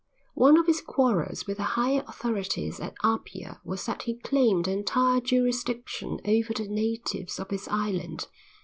One of his quarrels with the higher authorities at Apia was that he claimed entire jurisdiction over the natives of his island.